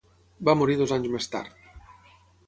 Va morir dos anys més tard.